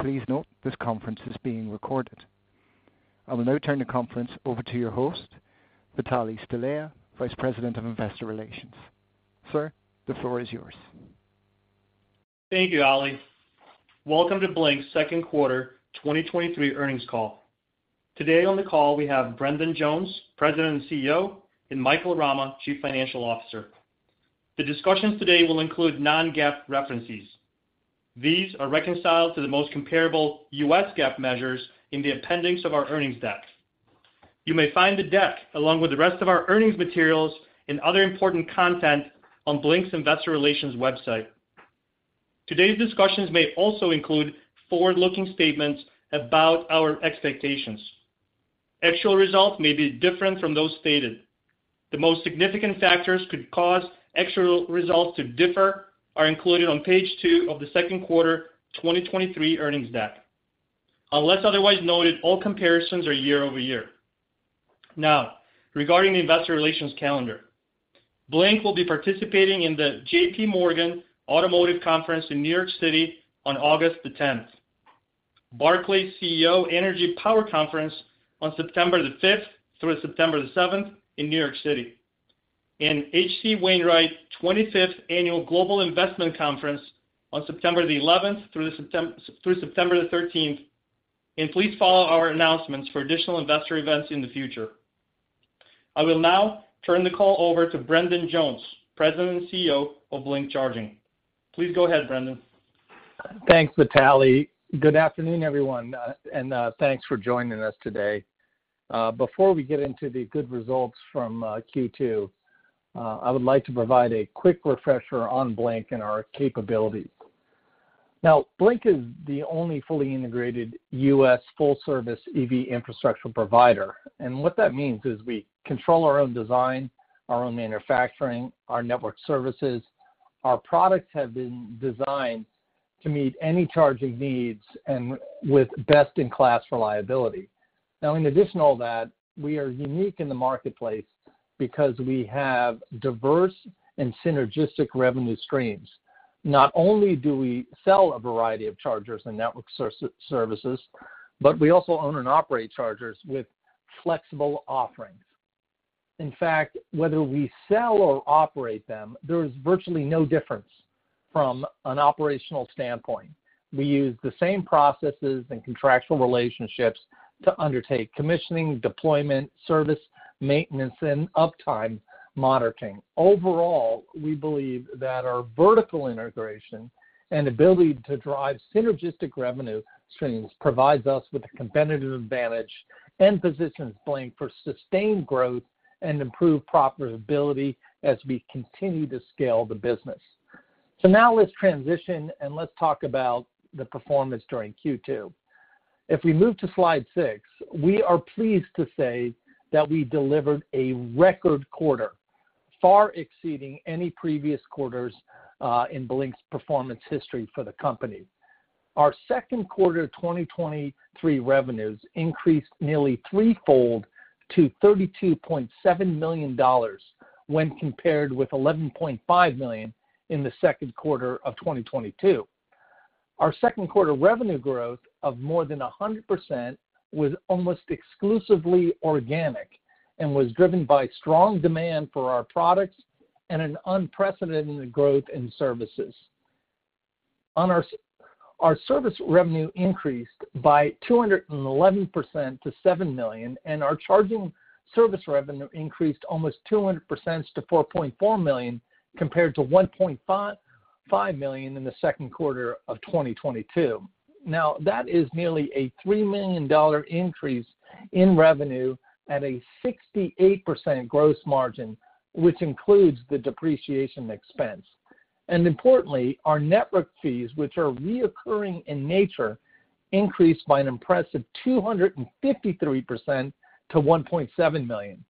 Please note, this conference is being recorded. I will now turn the conference over to your host, Vitalie Stelea, Vice President of Investor Relations. Sir, the floor is yours. Thank you, Ali. Welcome to Blink's second quarter, 2023 earnings call. Today on the call, we have Brendan Jones, President and CEO, and Michael Rama, Chief Financial Officer. The discussions today will include non-GAAP references. These are reconciled to the most comparable U.S. GAAP measures in the appendix of our earnings deck. You may find the deck, along with the rest of our earnings materials and other important content on Blink's Investor Relations website. Today's discussions may also include forward-looking statements about our expectations. Actual results may be different from those stated. The most significant factors could cause actual results to differ, are included on page two of the second quarter 2023 earnings deck. Unless otherwise noted, all comparisons are year-over-year. Regarding the investor relations calendar, Blink will be participating in the J.P. Morgan Auto Conference in New York City on August 10th, Barclays CEO Energy-Power Conference on September 5th through September 7th in New York City, H.C. Wainwright 25th Annual Global Investment Conference on September 11th through September 13th. Please follow our announcements for additional investor events in the future. I will now turn the call over to Brendan Jones, President and CEO of Blink Charging. Please go ahead, Brendan. Thanks, Vitali. Good afternoon, everyone, and thanks for joining us today. Before we get into the good results from Q2, I would like to provide a quick refresher on Blink and our capabilities. Now, Blink is the only fully integrated U.S. full-service EV infrastructure provider, and what that means is we control our own design, our own manufacturing, our network services. Our products have been designed to meet any charging needs and with best-in-class reliability. Now, in addition to all that, we are unique in the marketplace because we have diverse and synergistic revenue streams. Not only do we sell a variety of chargers and network ser-services, but we also own and operate chargers with flexible offerings. In fact, whether we sell or operate them, there is virtually no difference from an operational standpoint. We use the same processes and contractual relationships to undertake commissioning, deployment, service, maintenance, and uptime monitoring. Overall, we believe that our vertical integration and ability to drive synergistic revenue streams provides us with a competitive advantage and positions Blink for sustained growth and improved profitability as we continue to scale the business. Now let's transition, and let's talk about the performance during Q2. If we move to slide 6, we are pleased to say that we delivered a record quarter, far exceeding any previous quarters, in Blink's performance history for the company. Our second quarter 2023 revenues increased nearly threefold to $32.7 million when compared with $11.5 million in the second quarter of 2022. Our second quarter revenue growth of more than 100% was almost exclusively organic and was driven by strong demand for our products and an unprecedented growth in services. Our service revenue increased by 211% to $7 million, and our charging service revenue increased almost 200% to $4.4 million, compared to $1.55 million in the second quarter of 2022. Now, that is nearly a $3 million increase in revenue at a 68% gross margin, which includes the depreciation expense. Importantly, our network fees, which are recurring in nature, increased by an impressive 253% to $1.7 million.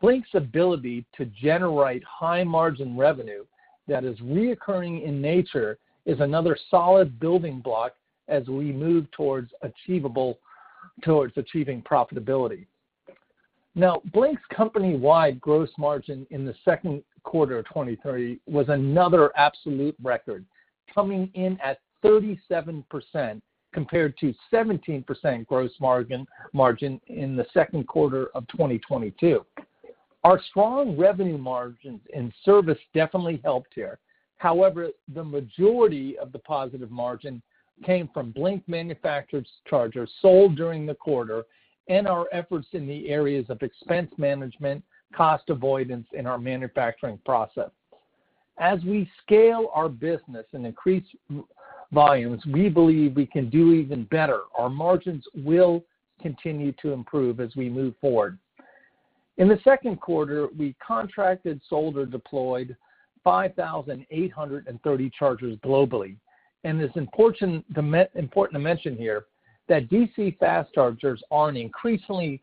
Blink's ability to generate high-margin revenue that is recurring in nature is another solid building block as we move towards achieving profitability. Blink's company-wide gross margin in the second quarter of 2023 was another absolute record, coming in at 37%, compared to 17% gross margin in the second quarter of 2022. Our strong revenue margins and service definitely helped here. The majority of the positive margin came from Blink manufactured chargers sold during the quarter and our efforts in the areas of expense management, cost avoidance in our manufacturing process. As we scale our business and increase volumes, we believe we can do even better. Our margins will continue to improve as we move forward. In the second quarter, we contracted, sold or deployed 5,830 chargers globally. It's important to mention here that DC fast chargers are increasingly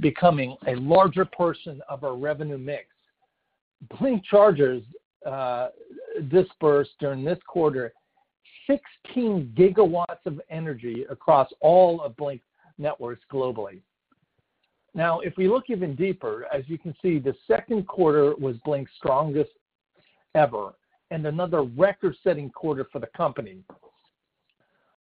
becoming a larger portion of our revenue mix. Blink chargers dispersed during this quarter, 16 gigawatts of energy across all of Blink Network globally. If we look even deeper, as you can see, the second quarter was Blink's strongest ever and another record-setting quarter for the company.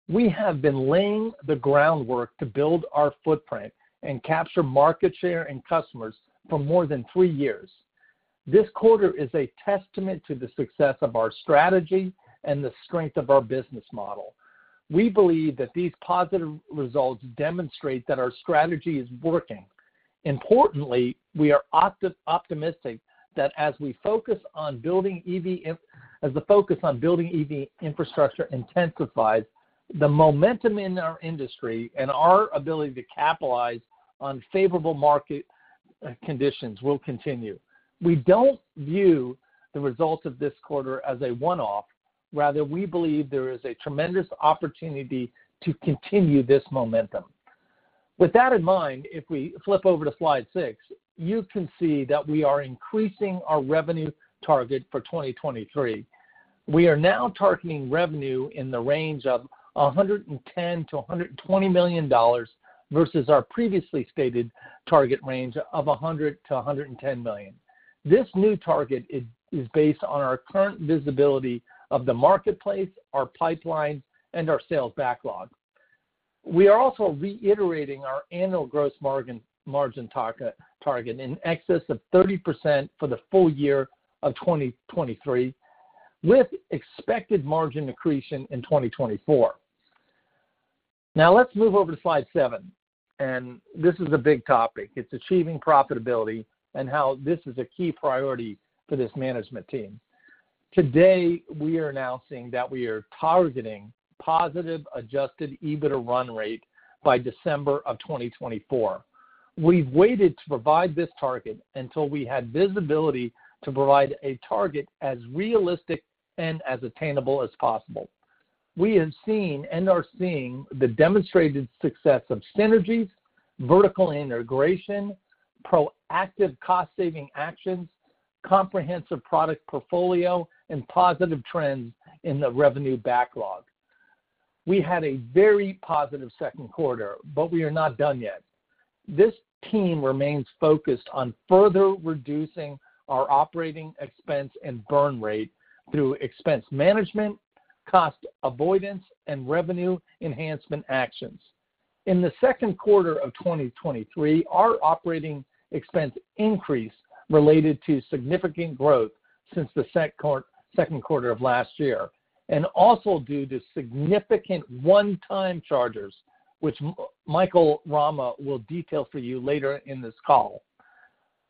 We have been laying the groundwork to build our footprint and capture market share and customers for more than three years. This quarter is a testament to the success of our strategy and the strength of our business model. We believe that these positive results demonstrate that our strategy is working. Importantly, we are optimistic that as the focus on building EV infrastructure intensifies, the momentum in our industry and our ability to capitalize on favorable market conditions will continue. We don't view the results of this quarter as a one-off; rather, we believe there is a tremendous opportunity to continue this momentum. With that in mind, if we flip over to slide six, you can see that we are increasing our revenue target for 2023. We are now targeting revenue in the range of $110 million-$120 million, versus our previously stated target range of $100 million-$110 million. This new target is based on our current visibility of the marketplace, our pipelines, and our sales backlog. We are also reiterating our annual gross margin target, in excess of 30% for the full year of 2023, with expected margin accretion in 2024. Now, let's move over to slide seven, and this is a big topic. It's achieving profitability and how this is a key priority for this management team. Today, we are announcing that we are targeting positive Adjusted EBITDA run rate by December of 2024. We've waited to provide this target until we had visibility to provide a target as realistic and as attainable as possible. We have seen and are seeing the demonstrated success of synergies, vertical integration, proactive cost-saving actions, comprehensive product portfolio, and positive trends in the revenue backlog. We had a very positive second quarter, we are not done yet. This team remains focused on further reducing our operating expense and burn rate through expense management, cost avoidance, and revenue enhancement actions. In the second quarter of 2023, our operating expense increased related to significant growth since the second quarter of last year, and also due to significant one-time charges, which Michael Rama will detail for you later in this call.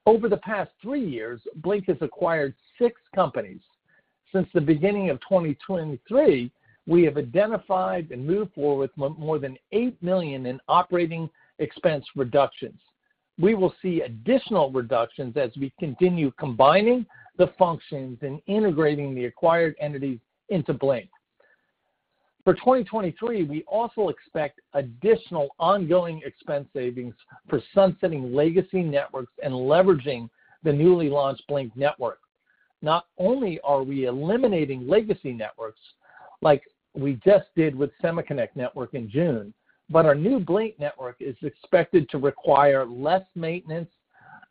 Over the past three years, Blink has acquired six companies. Since the beginning of 2023, we have identified and moved forward with more than $8 million in operating expense reductions. We will see additional reductions as we continue combining the functions and integrating the acquired entities into Blink. For 2023, we also expect additional ongoing expense savings for sunsetting legacy networks and leveraging the newly launched Blink Network. Not only are we eliminating legacy networks, like we just did with SemaConnect Network in June, but our new Blink Network is expected to require less maintenance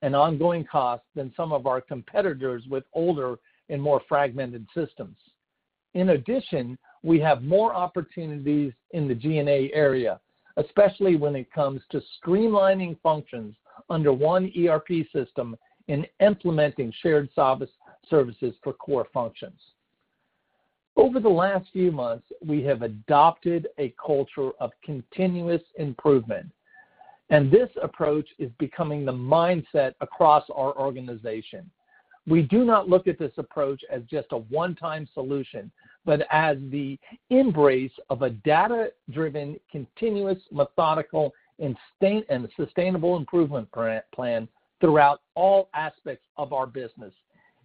and ongoing costs than some of our competitors with older and more fragmented systems. In addition, we have more opportunities in the G&A area, especially when it comes to streamlining functions under one ERP system and implementing shared services for core functions. Over the last few months, we have adopted a culture of continuous improvement, and this approach is becoming the mindset across our organization. We do not look at this approach as just a one-time solution, but as the embrace of a data-driven, continuous, methodical, and sustainable improvement plan throughout all aspects of our business.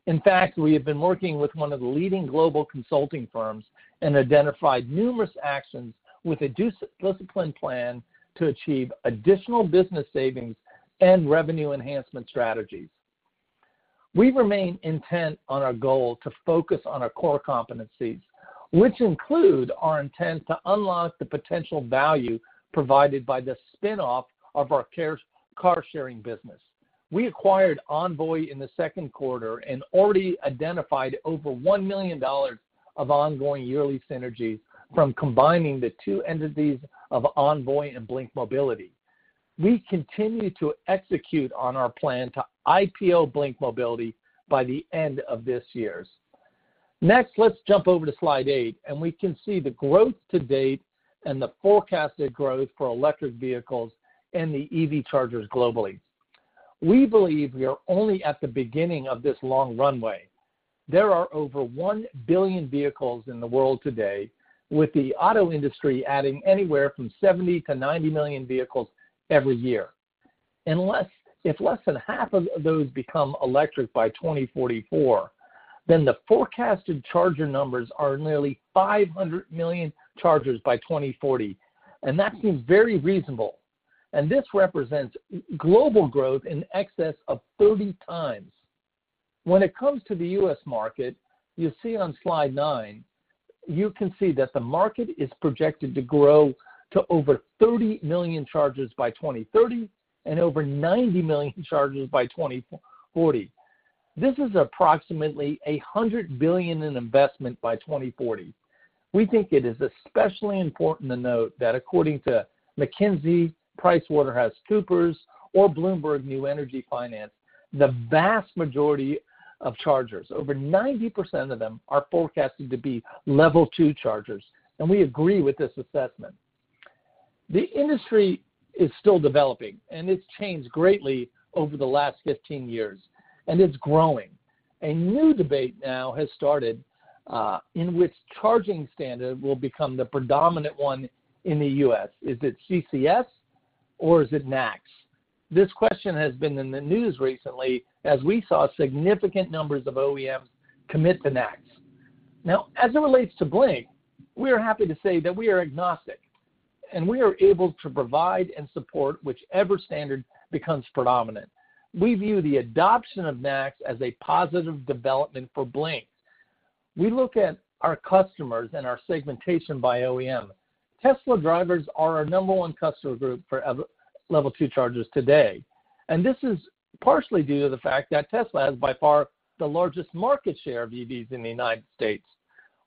In fact, we have been working with one of the leading global consulting firms and identified numerous actions with a disciplined plan to achieve additional business savings and revenue enhancement strategies. We remain intent on our goal to focus on our core competencies, which include our intent to unlock the potential value provided by the spin-off of our car-sharing business. We acquired Envoy in the second quarter and already identified over $1 million of ongoing yearly synergies from combining the two entities of Envoy and Blink Mobility. We continue to execute on our plan to IPO Blink Mobility by the end of this year. Let's jump over to slide eight, and we can see the growth to date and the forecasted growth for electric vehicles and the EV chargers globally. We believe we are only at the beginning of this long runway. There are over one billion vehicles in the world today, with the auto industry adding anywhere from 70 million-90 million vehicles every year. If less than half of those become electric by 2044, then the forecasted charger numbers are nearly 500 million chargers by 2040, and that seems very reasonable. This represents global growth in excess of 30 times. When it comes to the U.S. market, you see on slide nine, you can see that the market is projected to grow to over 30 million chargers by 2030, and over 90 million chargers by 2040. This is approximately $100 billion in investment by 2040. We think it is especially important to note that according to McKinsey, PricewaterhouseCoopers, or Bloomberg New Energy Finance, the vast majority of chargers, over 90% of them, are forecasted to be Level Two chargers. We agree with this assessment. The industry is still developing, and it's changed greatly over the last 15 years, and it's growing. A new debate now has started in which charging standard will become the predominant one in the U.S. Is it CCS or is it NACS? This question has been in the news recently as we saw significant numbers of OEMs commit to NACS. Now, as it relates to Blink, we are happy to say that we are agnostic, and we are able to provide and support whichever standard becomes predominant. We view the adoption of NACS as a positive development for Blink. We look at our customers and our segmentation by OEM. Tesla drivers are our number one customer group for Level Two chargers today, and this is partially due to the fact that Tesla has, by far, the largest market share of EVs in the United States.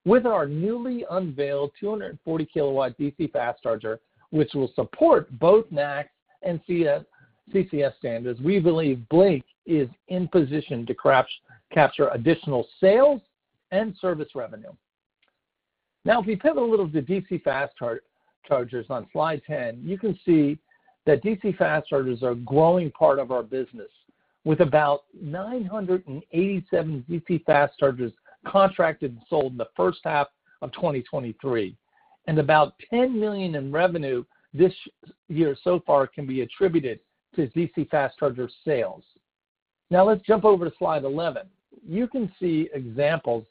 With our newly unveiled 240 kilowatt DC fast charger, which will support both NACS and CCS standards, we believe Blink is in position to capture additional sales and service revenue. Now, if we pivot a little to DC fast chargers on slide 10, you can see that DC fast chargers are a growing part of our business, with about 987 DC fast chargers contracted and sold in the first half of 2023, and about $10 million in revenue this year so far can be attributed to DC fast charger sales. Now let's jump over to slide 11. You can see examples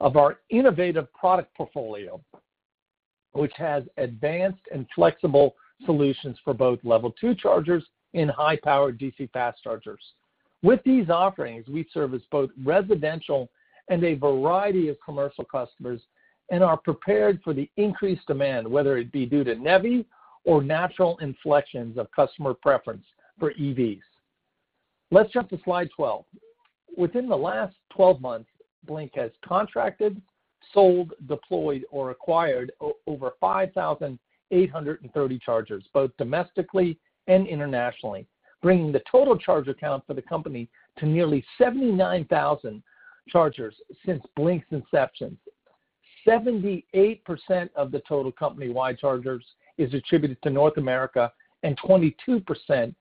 of our innovative product portfolio, which has advanced and flexible solutions for both Level 2 chargers and high-powered DC fast chargers. With these offerings, we service both residential and a variety of commercial customers and are prepared for the increased demand, whether it be due to NEVI or natural inflections of customer preference for EVs. Let's jump to slide 12. Within the last 12 months, Blink has contracted, sold, deployed, or acquired over 5,830 chargers, both domestically and internationally, bringing the total charger count for the company to nearly 79,000 chargers since Blink's inception. 78% of the total company-wide chargers is attributed to North America and 22%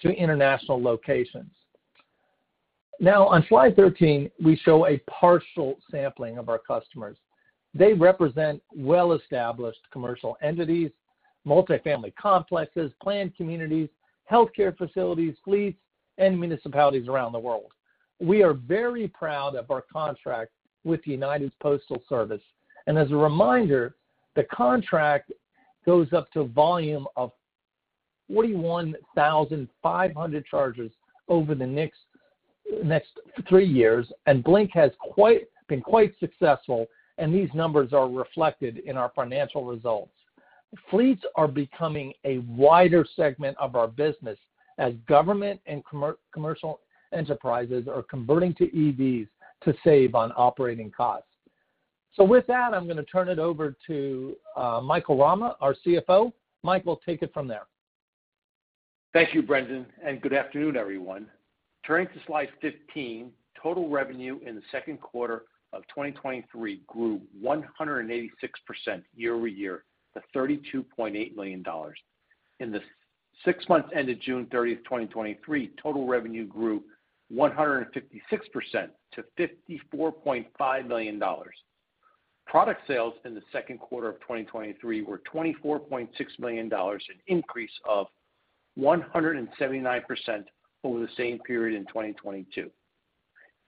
to international locations. Now on slide 13, we show a partial sampling of our customers. They represent well-established commercial entities, multifamily complexes, planned communities, healthcare facilities, fleets, and municipalities around the world. We are very proud of our contract with the United States Postal Service, and as a reminder, the contract goes up to a volume of 41,500 chargers over the next three years, and Blink has been quite successful, and these numbers are reflected in our financial results. Fleets are becoming a wider segment of our business as government and commercial enterprises are converting to EVs to save on operating costs. With that, I'm going to turn it over to Mike ama, our CFO. Mike will take it from there. Thank you, Brendan. Good afternoon, everyone. Turning to slide 15, total revenue in the second quarter of 2023 grew 186% year-over-year to $32.8 million. In the six months ended June 30th, 2023, total revenue grew 156% to $54.5 million. Product sales in the second quarter of 2023 were $24.6 million, an increase of 179% over the same period in 2022.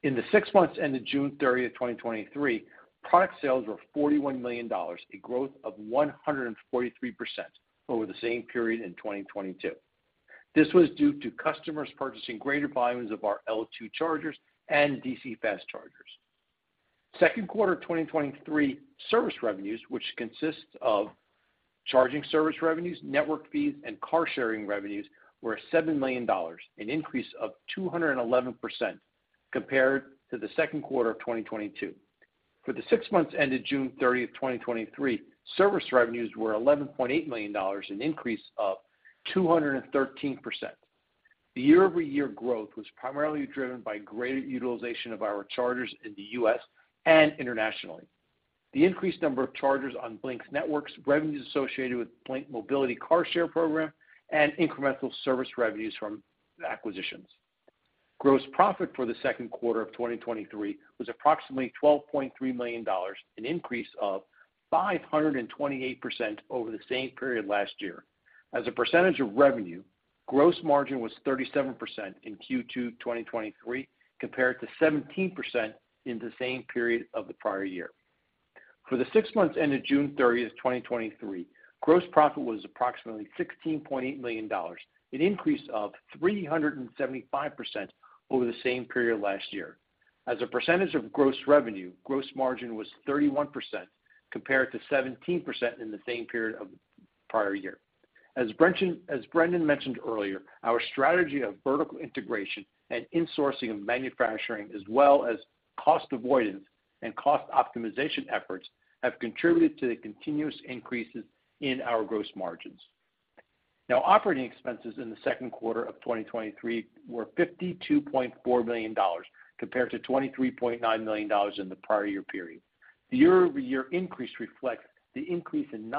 In the six months ended June 30th, 2023, product sales were $41 million, a growth of 143% over the same period in 2022. This was due to customers purchasing greater volumes of our L2 chargers and DC fast chargers. Second quarter of 2023 service revenues, which consists of charging service revenues, network fees, and car sharing revenues, were $7 million, an increase of 211% compared to the second quarter of 2022. For the six months ended June 30th, 2023, service revenues were $11.8 million, an increase of 213%. The year-over-year growth was primarily driven by greater utilization of our chargers in the U.S. and internationally. The increased number of chargers on Blink's networks, revenues associated with Blink Mobility car-sharing service program, and incremental service revenues from acquisitions. Gross profit for the second quarter of 2023 was approximately $12.3 million, an increase of 528% over the same period last year. As a percentage of revenue, gross margin was 37% in Q2 2023, compared to 17% in the same period of the prior year. For the six months ended June 30th, 2023, gross profit was approximately $16.8 million, an increase of 375% over the same period last year. As a percentage of gross revenue, gross margin was 31%, compared to 17% in the same period of the prior year. As Brendan mentioned earlier, our strategy of vertical integration and insourcing of manufacturing, as well as cost avoidance and cost optimization efforts, have contributed to the continuous increases in our gross margins. Operating expenses in the second quarter of 2023 were $52.4 million, compared to $23.9 million in the prior year period. The year-over-year increase reflects the increase in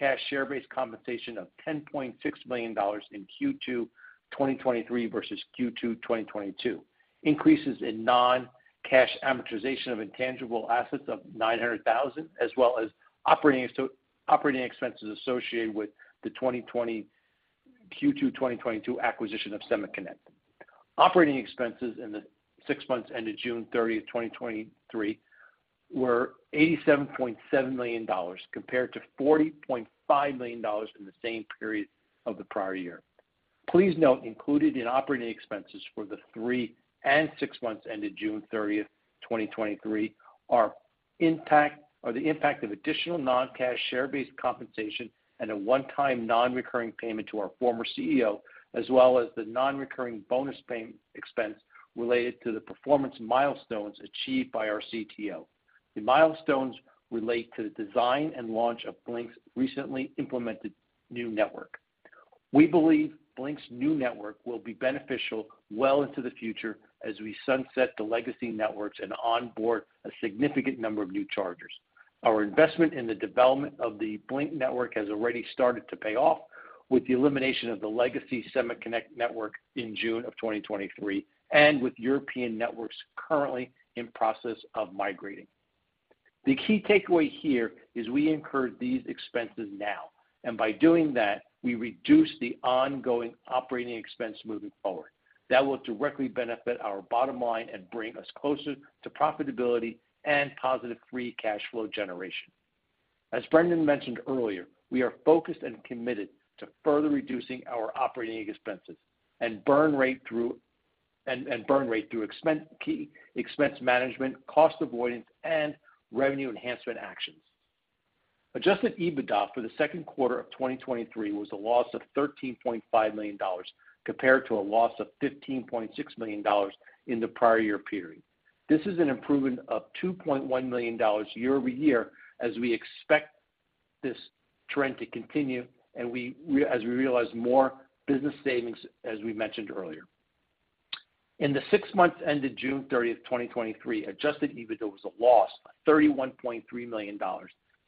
non-cash share-based compensation of $10.6 million in Q2 2023 versus Q2 2022. Increases in non-cash amortization of intangible assets of $900,000, as well as operating expenses associated with the Q2 2022 acquisition of SemaConnect. Operating expenses in the six months ended June 30th, 2023, were $87.7 million, compared to $40.5 million in the same period of the prior year. Please note, included in operating expenses for the three and six months ended June 30th, 2023, are the impact of additional non-cash share-based compensation and a one-time non-recurring payment to our former CEO, as well as the non-recurring bonus payment expense related to the performance milestones achieved by our CTO. The milestones relate to the design and launch of Blink's recently implemented new network. We believe Blink's new network will be beneficial well into the future as we sunset the legacy networks and onboard a significant number of new chargers. Our investment in the development of the Blink Network has already started to pay off, with the elimination of the legacy SemaConnect network in June of 2023, and with European networks currently in process of migrating. The key takeaway here is we incur these expenses now, and by doing that, we reduce the ongoing operating expense moving forward. That will directly benefit our bottom line and bring us closer to profitability and positive free cash flow generation. As Brendan mentioned earlier, we are focused and committed to further reducing our operating expenses and burn rate through... burn rate through expense, key expense management, cost avoidance, and revenue enhancement actions. Adjusted EBITDA for the second quarter of 2023 was a loss of $13.5 million, compared to a loss of $15.6 million in the prior year period. This is an improvement of $2.1 million year-over-year, as we expect this trend to continue as we realize more business savings, as we mentioned earlier. In the six months ended June 30th, 2023, Adjusted EBITDA was a loss of $31.3 million,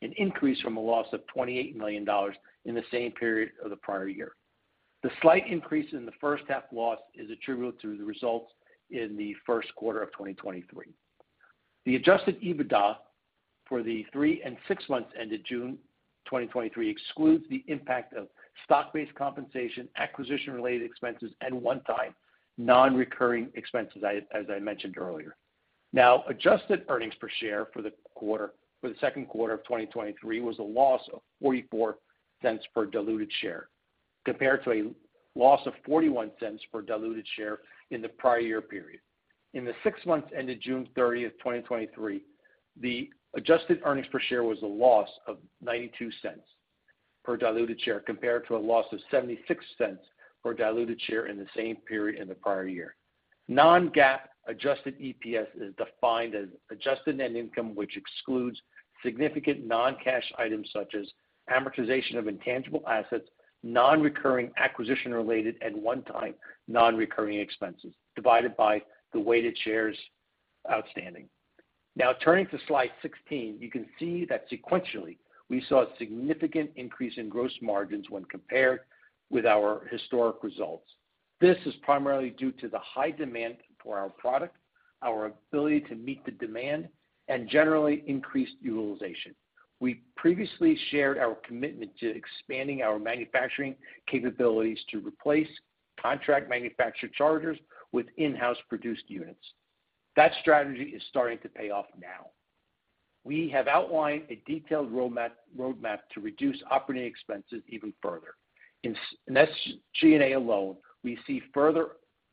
an increase from a loss of $28 million in the same period of the prior year. The slight increase in the first half loss is attributable to the results in the first quarter of 2023. The Adjusted EBITDA for the three and six months ended June 2023, excludes the impact of stock-based compensation, acquisition-related expenses, and one-time non-recurring expenses, I, as I mentioned earlier. Adjusted earnings per share for the second quarter of 2023, was a loss of $0.44 per diluted share, compared to a loss of $0.41 per diluted share in the prior year period. In the six months ended June 30, 2023, the adjusted earnings per share was a loss of $0.92 per diluted share, compared to a loss of $0.76 per diluted share in the same period in the prior year. Non-GAAP adjusted EPS is defined as adjusted net income, which excludes significant non-cash items such as amortization of intangible assets, non-recurring acquisition-related, and one-time non-recurring expenses, divided by the weighted shares outstanding. Turning to slide 16, you can see that sequentially, we saw a significant increase in gross margins when compared with our historic results. This is primarily due to the high demand for our product, our ability to meet the demand, and generally increased utilization. We previously shared our commitment to expanding our manufacturing capabilities to replace contract manufactured chargers with in-house produced units. That strategy is starting to pay off now. We have outlined a detailed roadmap to reduce operating expenses even further. In G&A alone, we see further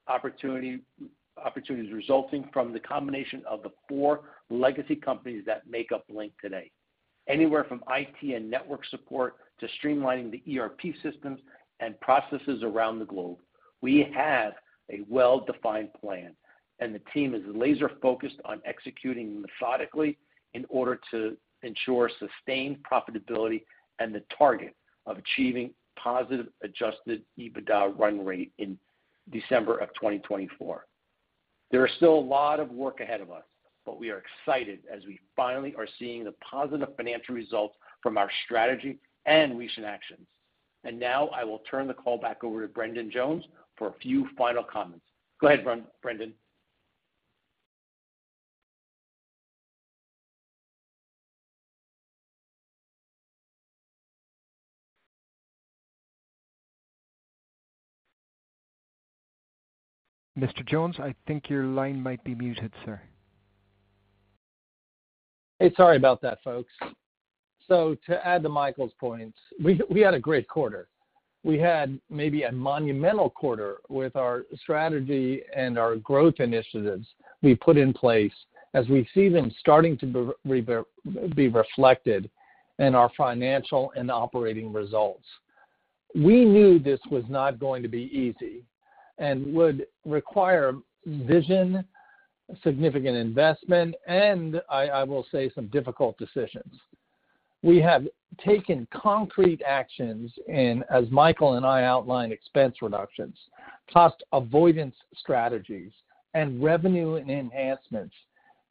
opportunities resulting from the combination of the four legacy companies that make up Blink today. Anywhere from IT and network support to streamlining the ERP systems and processes around the globe, we have a well-defined plan, and the team is laser-focused on executing methodically in order to ensure sustained profitability and the target of achieving positive Adjusted EBITDA run rate in December of 2024. There is still a lot of work ahead of us, we are excited as we finally are seeing the positive financial results from our strategy and recent actions. Now I will turn the call back over to Brendan Jones for a few final comments. Go ahead, Bren- Brendan. Mr. Jones, I think your line might be muted, sir. Hey, sorry about that, folks. To add to Michael's points, we had a great quarter. We had maybe a monumental quarter with our strategy and our growth initiatives we put in place as we see them starting to be reflected in our financial and operating results. We knew this was not going to be easy and would require vision, significant investment, and I will say some difficult decisions. We have taken concrete actions, and as Michael and I outlined, expense reductions, cost avoidance strategies, and revenue enhancements,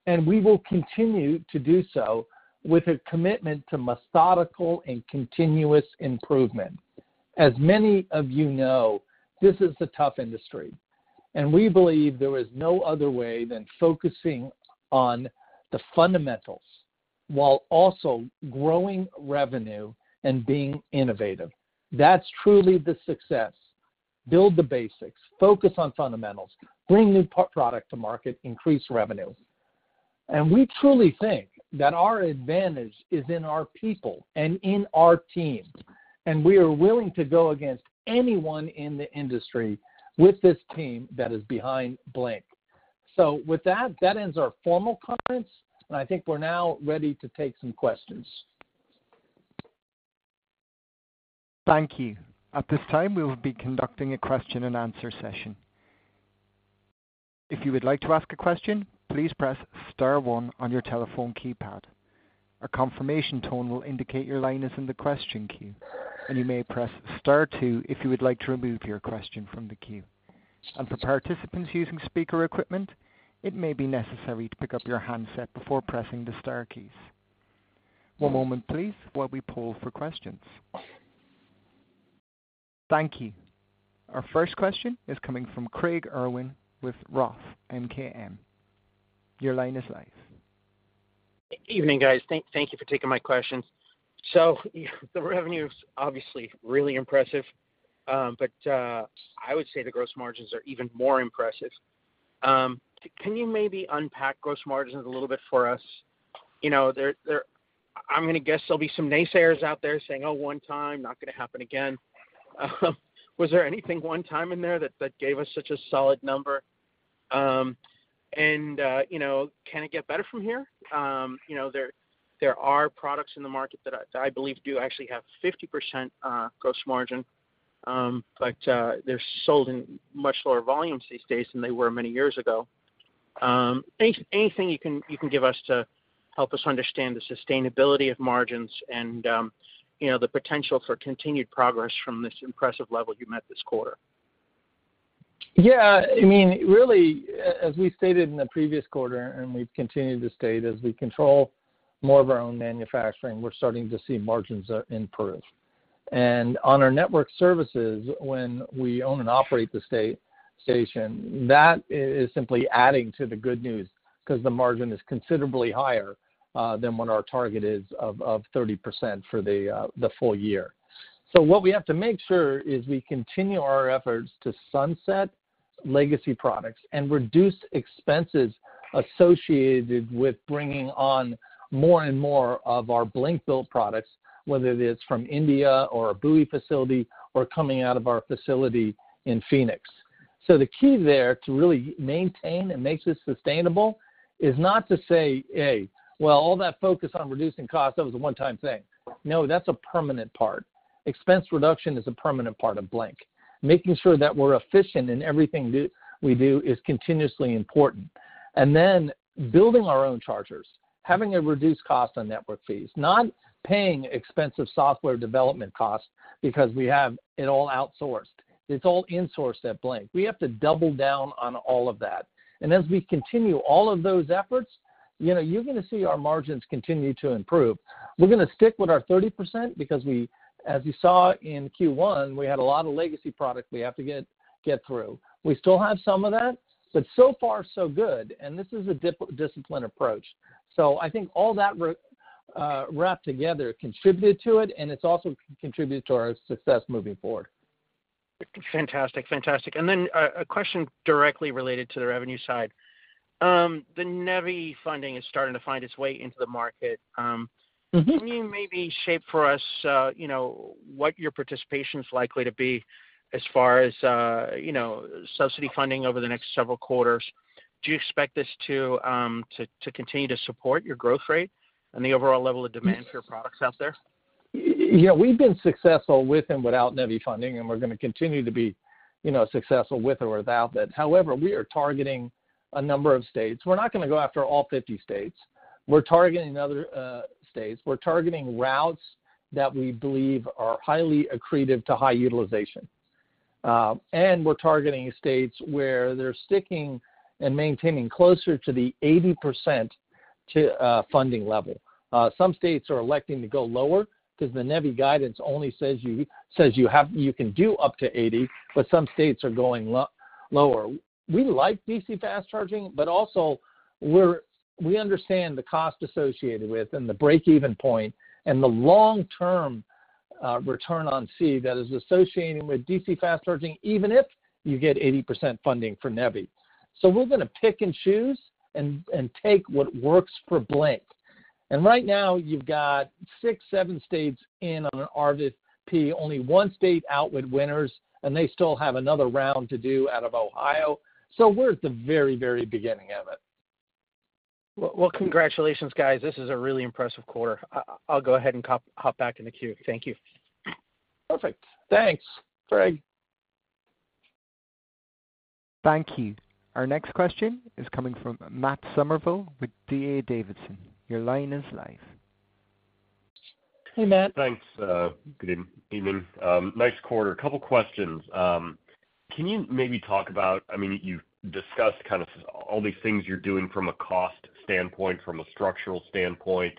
and we will continue to do so with a commitment to methodical and continuous improvement. As many of you know, this is a tough industry, and we believe there is no other way than focusing on the fundamentals while also growing revenue and being innovative. That's truly the success: build the basics, focus on fundamentals, bring new product to market, increase revenue. We truly think that our advantage is in our people and in our team, and we are willing to go against anyone in the industry with this team that is behind Blink. With that, that ends our formal conference, and I think we're now ready to take some questions. Thank you. At this time, we will be conducting a question-and-answer session. If you would like to ask a question, please press star one on your telephone keypad. A confirmation tone will indicate your line is in the question queue, and you may press star two if you would like to remove your question from the queue. For participants using speaker equipment, it may be necessary to pick up your handset before pressing the star keys. One moment, please, while we poll for questions. Thank you. Our first question is coming from Craig Irwin with Roth MKM. Your line is live. Evening, guys. Thank you for taking my questions. The revenue is obviously really impressive, I would say the gross margins are even more impressive. Can you maybe unpack gross margins a little bit for us? You know, I'm going to guess there'll be some naysayers out there saying, "Oh, one time, not going to happen again." Was there anything one time in there that gave us such a solid number? You know, can it get better from here? You know, there are products in the market that I, I believe do actually have 50% gross margin, but they're sold in much lower volumes these days than they were many years ago. Any, anything you can, you can give us to help us understand the sustainability of margins and, you know, the potential for continued progress from this impressive level you met this quarter? Yeah, I mean, as we stated in the previous quarter, and we've continued to state, as we control more of our own manufacturing, we're starting to see margins improve. On our network services, when we own and operate the station, that is simply adding to the good news because the margin is considerably higher than what our target is of 30% for the full year. What we have to make sure is we continue our efforts to sunset legacy products and reduce expenses associated with bringing on more and more of our Blink-built products, whether it is from India or a Bowie facility or coming out of our facility in Phoenix. The key there to really maintain and make this sustainable is not to say, "Hey, well, all that focus on reducing costs, that was a one-time thing." No, that's a permanent part. Expense reduction is a permanent part of Blink. Making sure that we're efficient in everything do, we do is continuously important. Then building our own chargers, having a reduced cost on network fees, not paying expensive software development costs because we have it all outsourced. It's all insourced at Blink. We have to double down on all of that. As we continue all of those efforts, you know, you're going to see our margins continue to improve. We're going to stick with our 30% because we, as you saw in Q1, we had a lot of legacy product we have to get, get through. We still have some of that, but so far so good, and this is a discipline approach. I think all that wrapped together contributed to it, and it's also contributed to our success moving forward. Fantastic. Fantastic. Then, a question directly related to the revenue side. The NEVI funding is starting to find its way into the market. Can you maybe shape for us, you know, what your participation is likely to be as far as, you know, subsidy funding over the next several quarters? Do you expect this to continue to support your growth rate and the overall level of demand for your products out there? Yeah, we've been successful with and without NEVI funding, we're going to continue to be, you know, successful with or without that. However, we are targeting a number of states. We're not going to go after all 50 states. We're targeting other states. We're targeting routes that we believe are highly accretive to high utilization. We're targeting states where they're sticking and maintaining closer to the 80% to funding level. Some states are electing to go lower because the NEVI guidance only says you have you can do up to 80, but some states are going lower. We like DC fast charging, also we understand the cost associated with and the break-even point and the long-term return on C that is associating with DC fast charging, even if you get 80% funding for NEVI. We're gonna pick and choose and take what works for Blink. Right now, you've got six, seven states in on an RFP, only one state out with winners, and they still have another round to do out of Ohio. We're at the very, very beginning of it. Well, well, congratulations, guys. This is a really impressive quarter. I'll go ahead and hop back in the queue. Thank you. Perfect. Thanks, Craig. Thank you. Our next question is coming from Matt Summerville with D.A. Davidson. Your line is live. Hey, Matt. Thanks, good evening. Nice quarter. A couple questions. Can you maybe talk about, I mean, you've discussed kind of all these things you're doing from a cost standpoint, from a structural standpoint.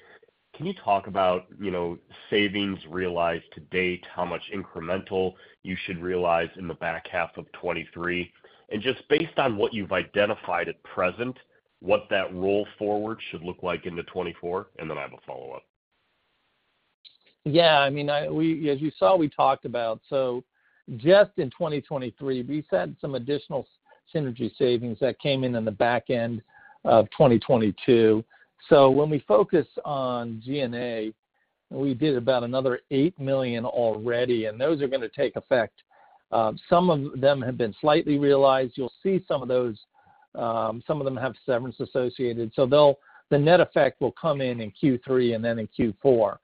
Can you talk about, you know, savings realized to date, how much incremental you should realize in the back half of 2023? Just based on what you've identified at present, what that roll forward should look like into 2024. Then I have a follow-up. Yeah, I mean, as you saw, we talked about. Just in 2023, we've had some additional synergy savings that came in in the back end of 2022. When we focus on G&A, we did about another $8 million already, and those are going to take effect. Some of them have been slightly realized. You'll see some of those, some of them have severance associated, so the net effect will come in in Q3 and then in Q4.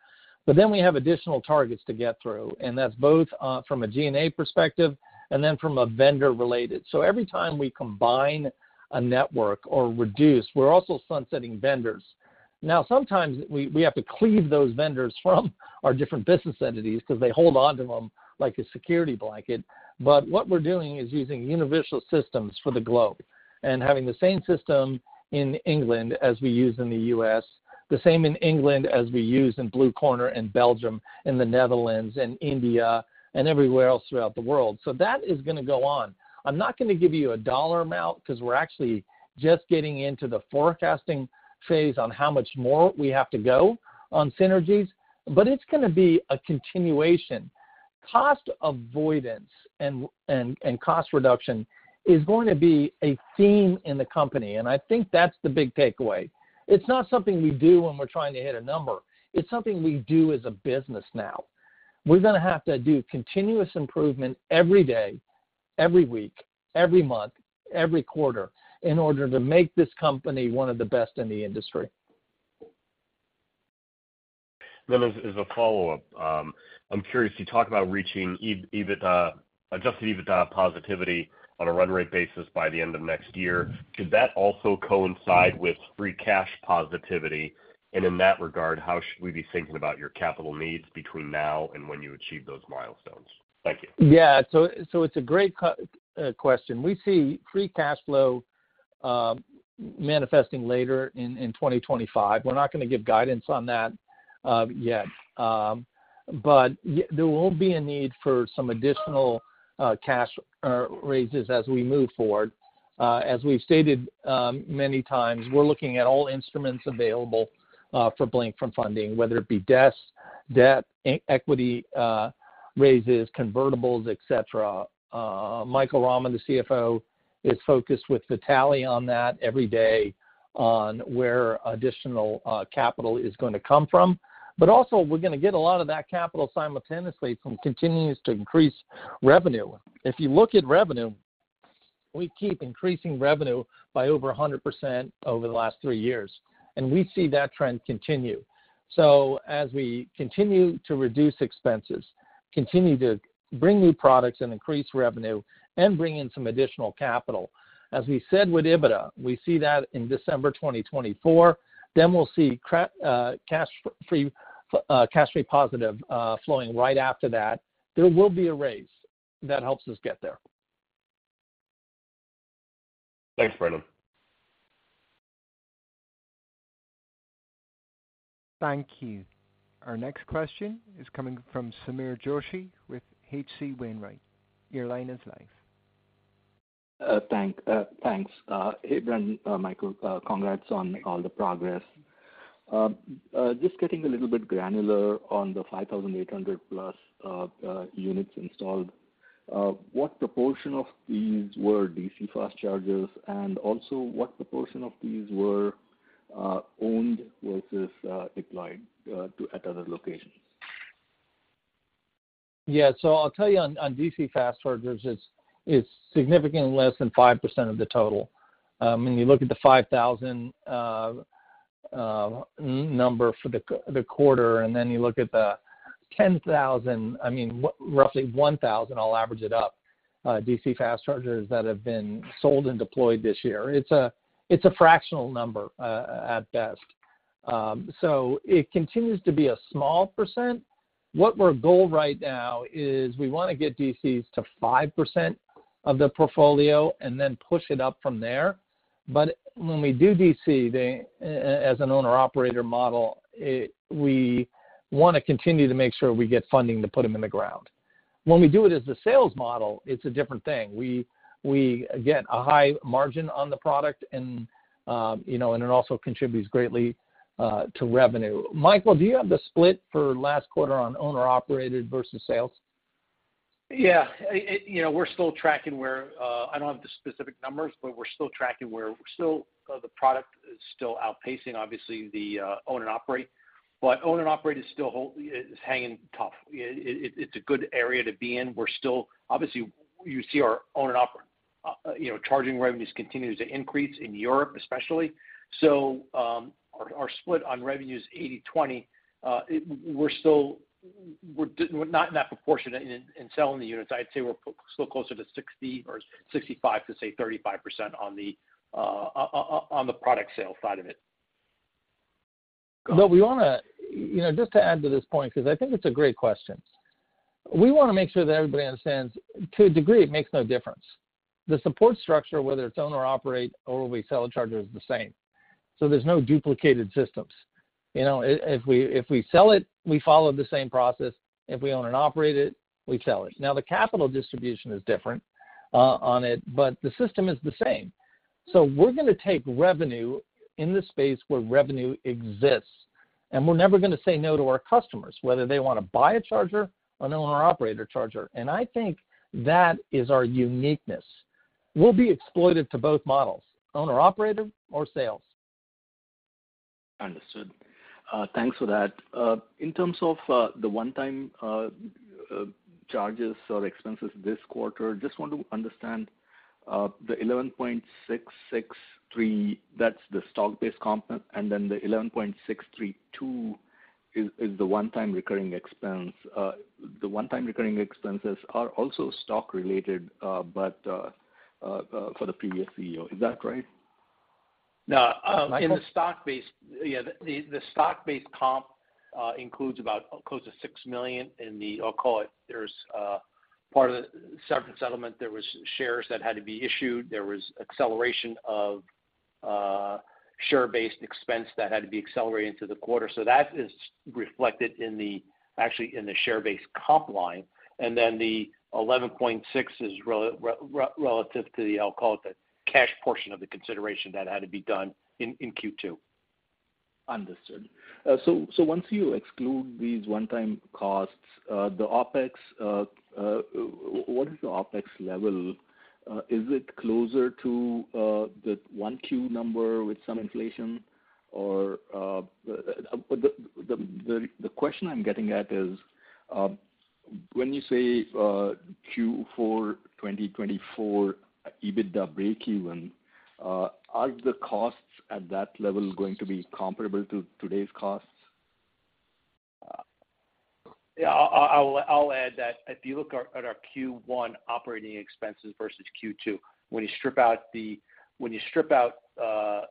Then we have additional targets to get through, and that's both from a G&A perspective and then from a vendor-related. Every time we combine a network or reduce, we're also sunsetting vendors. Now, sometimes we have to cleave those vendors from our different business entities because they hold onto them like a security blanket. What we're doing is using universal systems for the globe and having the same system in England as we use in the U.S., the same in England as we use in Blue Corner, in Belgium, in the Netherlands, in India, and everywhere else throughout the world. That is gonna go on. I'm not gonna give you a dollar amount because we're actually just getting into the forecasting phase on how much more we have to go on synergies, but it's gonna be a continuation. Cost avoidance and cost reduction is going to be a theme in the company, and I think that's the big takeaway. It's not something we do when we're trying to hit a number. It's something we do as a business now. We're gonna have to do continuous improvement every day, every week, every month, every quarter, in order to make this company one of the best in the industry. As a follow-up, I'm curious, you talk about reaching Adjusted EBITDA positivity on a run rate basis by the end of next year. Could that also coincide with free cash positivity? In that regard, how should we be thinking about your capital needs between now and when you achieve those milestones? Thank you. Yeah, it's a great question. We see free cash flow manifesting later in 2025. We're not gonna give guidance on that yet. There will be a need for some additional cash raises as we move forward. As we've stated many times, we're looking at all instruments available for Blink from funding, whether it be debts, debt, equity raises, convertibles, et cetera. Michael Rama, the CFO, is focused with Vitalie on that every day on where additional capital is gonna come from. We're gonna get a lot of that capital simultaneously from continues to increase revenue. If you look at revenue, we keep increasing revenue by over 100% over the last three years, and we see that trend continue. As we continue to reduce expenses, continue to bring new products and increase revenue and bring in some additional capital, as we said with EBITDA, we see that in December 2024, then we'll see cash free, cash free positive, flowing right after that. There will be a raise that helps us get there. Thanks, Brendan. Thank you. Our next question is coming from Sameer Joshi with H.C. Wainwright. Your line is live. Thank, thanks. Hey, Brendan, Michael, congrats on all the progress. Just getting a little bit granular on the 5,800+ units installed, what proportion of these were DC fast chargers? Also, what proportion of these were owned versus deployed to at other locations? Yeah, I'll tell you on, on DC fast chargers, it's, it's significantly less than 5% of the total. When you look at the 5,000 number for the quarter, and then you look at the 10,000, I mean, roughly 1,000, I'll average it up, DC fast chargers that have been sold and deployed this year, it's a, it's a fractional number at best. It continues to be a small %. What we're goal right now is we want to get DCs to 5% of the portfolio and then push it up from there. When we do DC, as an owner-operator model, we want to continue to make sure we get funding to put them in the ground. When we do it as a sales model, it's a different thing. We, we get a high margin on the product, and, you know, and it also contributes greatly to revenue. Michael, do you have the split for last quarter on owner-operated versus sales? Yeah. It, you know, we're still tracking where I don't have the specific numbers, but we're still tracking where we're still the product is still outpacing, obviously, the own and operate. Own and operate is still hanging tough. It's a good area to be in. We're still. Obviously, you see our own and operate, you know, charging revenues continues to increase in Europe, especially. Our split on revenue is 80/20. We're still not in that proportion in selling the units. I'd say we're still closer to 60 or 65 to, say, 35% on the product sales side of it. You know, just to add to this point, because I think it's a great question. We wanna make sure that everybody understands, to a degree, it makes no difference. The support structure, whether it's own or operate or we sell a charger, is the same, so there's no duplicated systems. You know, if we, if we sell it, we follow the same process. If we own and operate it, we sell it. The capital distribution is different on it, but the system is the same. We're gonna take revenue in the space where revenue exists, and we're never gonna say no to our customers, whether they want to buy a charger, an owner or operator charger. I think that is our uniqueness. We'll be exploited to both models, owner, operator, or sales. Understood. Thanks for that. In terms of the one-time charges or expenses this quarter, just want to understand the $11.663, that's the stock-based comp, and then the $11.632 is, is the one-time recurring expense. The one-time recurring expenses are also stock related, but for the previous CEO. Is that right? No. Michael? In the, the stock-based comp includes about close to $6 million in the... I'll call it, there's part of the severance settlement, there was shares that had to be issued. There was acceleration of share-based expense that had to be accelerated into the quarter. That is reflected in the, actually in the share-based comp line, and then the $11.6 is relative to the, I'll call it, the cash portion of the consideration that had to be done in, in Q2. Understood. So once you exclude these one-time costs, the OpEx, what is the OpEx level? Is it closer to the 1Q number with some inflation? The, the, the question I'm getting at is, when you say Q4 2024, EBITDA break even, are the costs at that level going to be comparable to today's costs? Yeah, I, I, I'll add that if you look at, at our Q1 operating expenses versus Q2, when you strip out the, the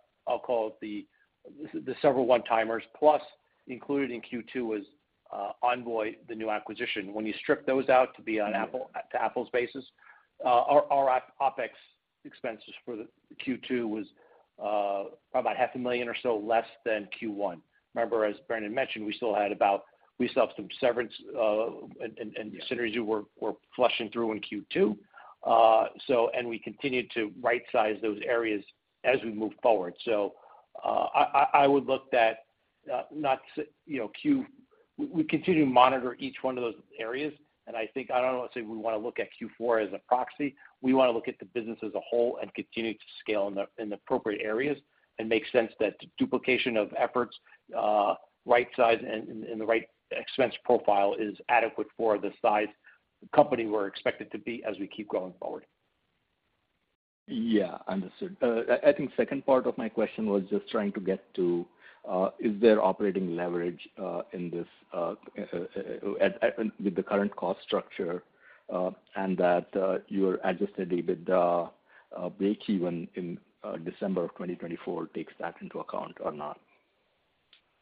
several one-timers, plus included in Q2 was Envoy, the new acquisition. When you strip those out to be on apples-to-apples basis, our OpEx expenses for the Q2 was about $500,000 or so less than Q1. Remember, as Brendan mentioned, we still have some severance and synergies we're flushing through in Q2. We continued to rightsize those areas as we move forward. I, I, I would look at, you know, We continue to monitor each one of those areas, and I think, I don't know, say we want to look at Q4 as a proxy. We want to look at the business as a whole and continue to scale in the, in the appropriate areas. It makes sense that the duplication of efforts, right size and, and the right expense profile is adequate for the size company we're expected to be as we keep going forward. Yeah, understood. I think 2nd part of my question was just trying to get to, is there operating leverage in this with the current cost structure, and that your Adjusted EBITDA break even in December of 2024, takes that into account or not?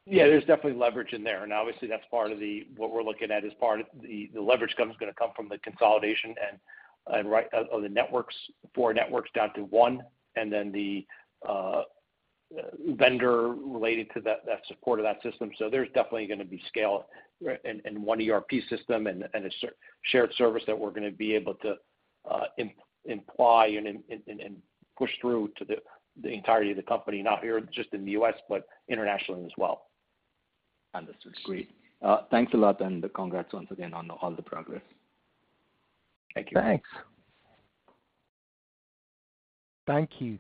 Yeah, there's definitely leverage in there, and obviously, that's part of the what we're looking at as part of the, the leverage is gonna come from the consolidation and, and right, of the networks, four networks down to one, and then the, vendor related to that, that support of that system. There's definitely gonna be scale and, and one ERP system and a shared service that we're gonna be able to imply and, and, and push through to the, the entirety of the company, not here just in the U.S., but internationally as well. Understood. Great. Thanks a lot, and congrats once again on all the progress. Thank you. Thanks. Thank you.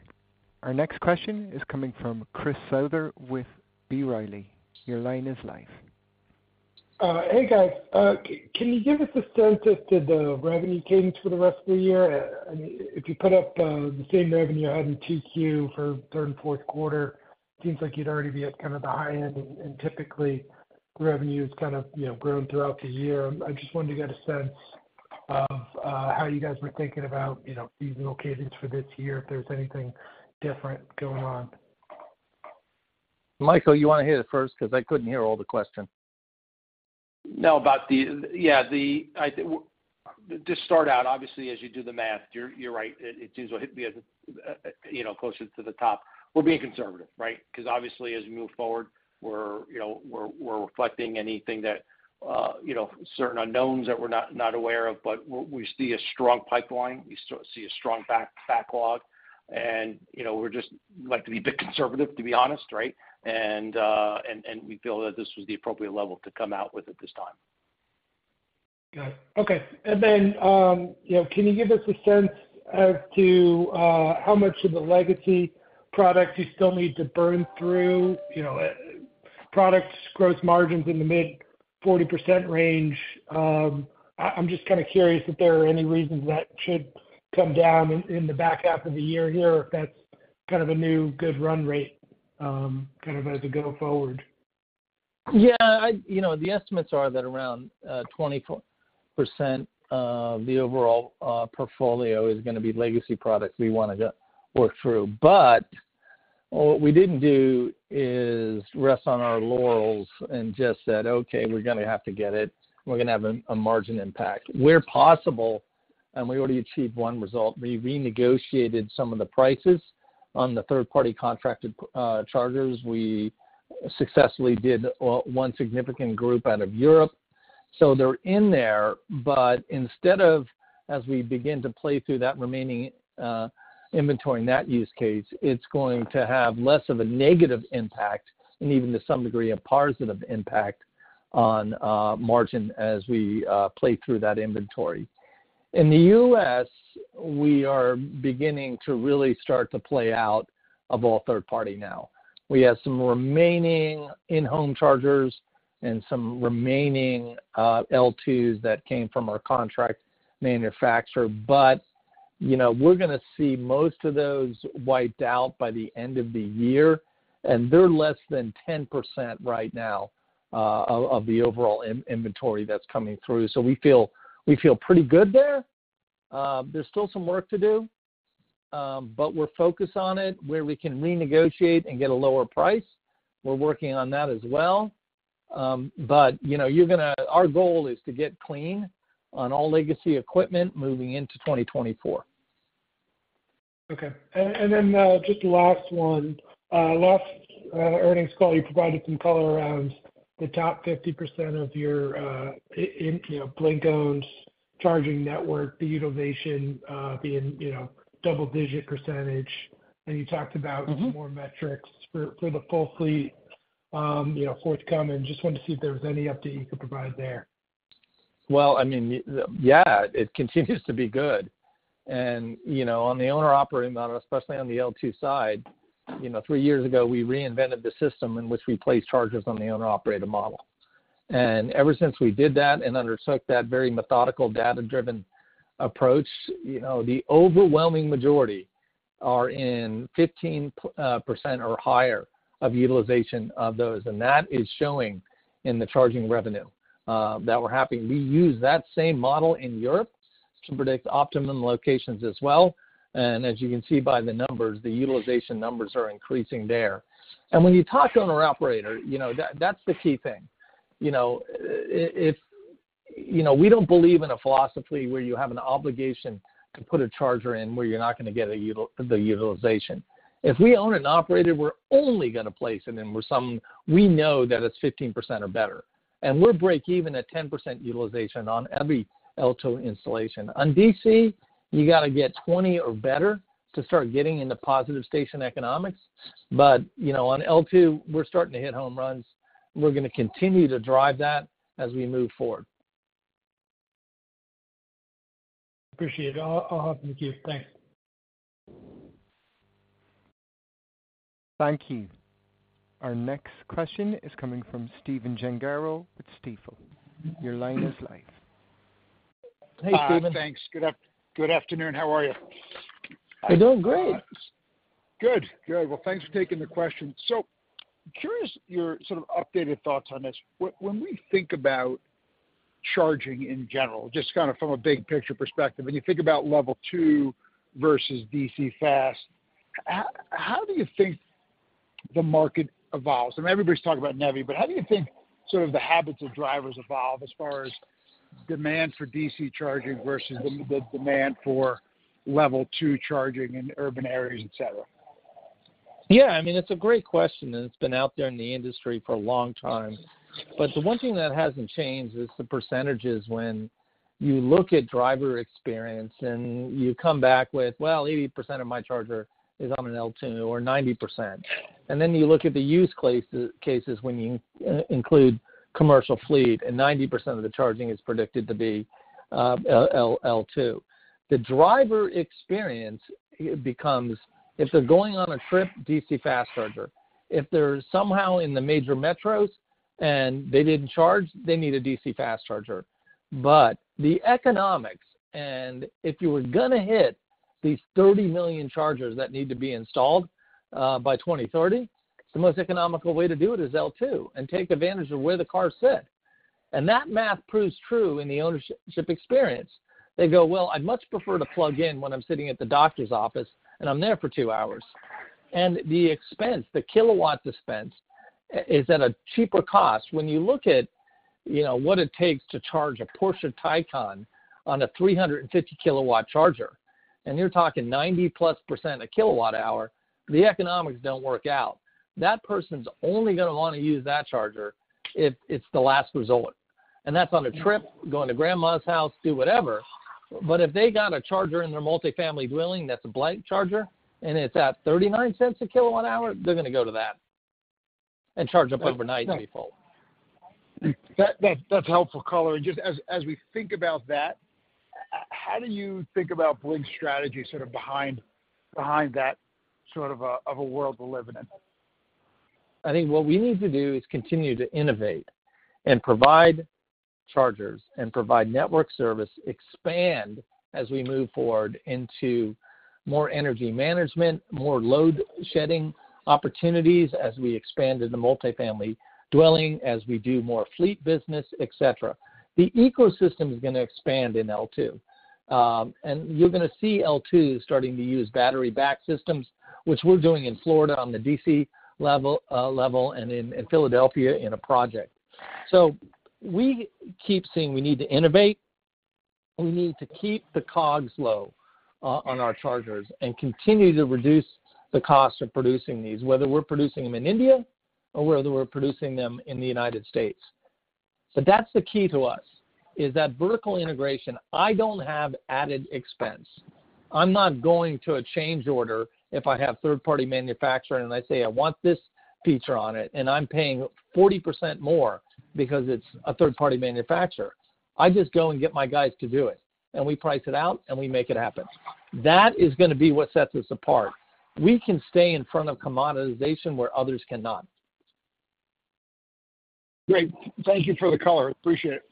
Our next question is coming from Chris Souther with B. Riley. Your line is live. Hey, guys. Can you give us a sense of the revenue cadence for the rest of the year? I mean, if you put up the same revenue you had in Q2 for third and fourth quarter, it seems like you'd already be at kind of the high end, and typically, revenue has kind of, you know, grown throughout the year. I just wanted to get a sense of how you guys were thinking about, you know, seasonal cadence for this year, if there's anything different going on. Michael, you want to hit it first? Because I couldn't hear all the question. No, about the, yeah, the, Just start out, obviously, as you do the math, you're, you're right. It, it does hit me, you know, closer to the top. We're being conservative, right? Because obviously, as we move forward, we're, you know...... we're reflecting anything that, you know, certain unknowns that we're not, not aware of, but we see a strong pipeline. We see a strong backlog, and, you know, we're just like to be a bit conservative, to be honest, right? We feel that this was the appropriate level to come out with at this time. Got it. Okay. You know, can you give us a sense as to how much of the legacy products you still need to burn through? You know, products, gross margins in the mid-40% range. I, I'm just kind of curious if there are any reasons that should come down in, in the back half of the year here, or if that's kind of a new good run rate, kind of as a go forward. Yeah, you know, the estimates are that around 20% of the overall portfolio is going to be legacy products we want to get work through. What we didn't do is rest on our laurels and just said, "Okay, we're going to have to get it. We're going to have a margin impact." Where possible, and we already achieved one result, we renegotiated some of the prices on the third-party contracted chargers. We successfully did one significant group out of Europe. They're in there, but instead of, as we begin to play through that remaining inventory in that use case, it's going to have less of a negative impact, and even to some degree, a positive impact on margin as we play through that inventory. In the U.S., we are beginning to really start to play out of all third party now. We have some remaining in-home chargers and some remaining L2s that came from our contract manufacturer, but, you know, we're gonna see most of those wiped out by the end of the year, and they're less than 10% right now of the overall in-inventory that's coming through. We feel, we feel pretty good there. There's still some work to do, but we're focused on it. Where we can renegotiate and get a lower price, we're working on that as well. You know, our goal is to get clean on all legacy equipment moving into 2024. Okay. Then, just the last one. Last earnings call, you provided some color around the top 50% of your, in, you know, Blink-owned charging network, the utilization, being, you know, double-digit %. You talked about-... some more metrics for, for the full fleet, you know, forthcoming. Just wanted to see if there was any update you could provide there. Well, I mean, yeah, it continues to be good. You know, on the owner operator model, especially on the L2 side, you know, three years ago, we reinvented the system in which we placed chargers on the owner operator model. Ever since we did that and undertook that very methodical, data-driven approach, you know, the overwhelming majority are in 15% or higher of utilization of those, and that is showing in the charging revenue that we're having. We use that same model in Europe to predict optimum locations as well. As you can see by the numbers, the utilization numbers are increasing there. When you talk owner operator, you know, that-that's the key thing. You know, if, you know, we don't believe in a philosophy where you have an obligation to put a charger in, where you're not gonna get the utilization. If we own an operator, we're only gonna place it in where we know that it's 15% or better. We're break even at 10% utilization on every L2 installation. On DC, you got to get 20 or better to start getting into positive station economics. You know, on L2, we're starting to hit home runs. We're gonna continue to drive that as we move forward. Appreciate it. I'll, I'll talk with you. Thanks. Thank you. Our next question is coming from Stephen Gengaro with Stifel. Your line is live. Hey, Stephen. Thanks. Good afternoon. How are you? I'm doing great. Good. Good. Well, thanks for taking the question. Curious, your sort of updated thoughts on this. When we think about charging in general, just kind of from a big picture perspective, when you think about Level 2 versus DC fast, how, how do you think the market evolves? I mean, everybody's talking about NEVI, how do you think sort of the habits of drivers evolve as far as demand for DC charging versus the, the demand for Level 2 charging in urban areas, et cetera? Yeah, I mean, it's a great question, and it's been out there in the industry for a long time. The one thing that hasn't changed is the percentages when you look at driver experience and you come back with, "Well, 80% of my charger is on an L2 or 90%." Then you look at the use cases, cases when you include commercial fleet, and 90% of the charging is predicted to be L2. The driver experience becomes, if they're going on a trip, DC fast charger. If they're somehow in the major metros and they didn't charge, they need a DC fast charger. The economics, and if you were gonna hit these 30 million chargers that need to be installed by 2030, the most economical way to do it is L2 and take advantage of where the car sit. That math proves true in the ownership experience. They go, "Well, I'd much prefer to plug in when I'm sitting at the doctor's office, and I'm there for two hours." The expense, the kilowatt dispense, is at a cheaper cost. When you look at, you know, what it takes to charge a Porsche Taycan on a 350 kilowatt charger, and you're talking 90%+ a kilowatt hour, the economics don't work out. That person's only gonna wanna use that charger if it's the last resort, and that's on a trip, going to grandma's house, do whatever. If they got a charger in their multifamily dwelling, that's a Blink charger, and it's at $0.39 a kilowatt hour, they're gonna go to that and charge up overnight before. That, that, that's helpful color. Just as, as we think about that, how do you think about Blink's strategy sort of behind, behind that sort of a, of a world we're living in? I think what we need to do is continue to innovate and provide chargers and provide network service, expand as we move forward into more energy management, more load shedding opportunities as we expand in the multifamily dwelling, as we do more fleet business, et cetera. The ecosystem is gonna expand in L2. You're gonna see L2 starting to use battery back systems, which we're doing in Florida on the DC level, level, and in Philadelphia in a project. We keep seeing we need to innovate, and we need to keep the cogs low on our chargers and continue to reduce the cost of producing these, whether we're producing them in India or whether we're producing them in the United States. That's the key to us, is that vertical integration, I don't have added expense. I'm not going to a change order if I have third-party manufacturing, and I say, "I want this feature on it," and I'm paying 40% more because it's a third-party manufacturer. I just go and get my guys to do it, and we price it out, and we make it happen. That is gonna be what sets us apart. We can stay in front of commoditization where others cannot. Great. Thank you for the color. Appreciate it.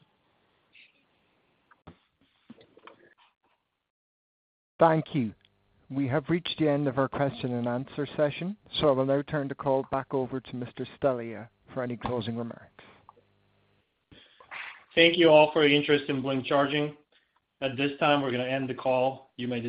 Thank you. We have reached the end of our question and answer session. I will now turn the call back over to Mr. Stelea for any closing remarks. Thank you all for your interest in Blink Charging. At this time, we're gonna end the call. You may disconnect.